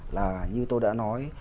là như tôi đã nói